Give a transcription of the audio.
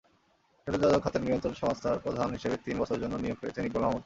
টেলিযোগাযোগ খাতের নিয়ন্ত্রক সংস্থার প্রধান হিসেবে তিন বছরের জন্য নিয়োগ পেয়েছেন ইকবাল মাহমুদ।